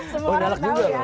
semua orang tahu ya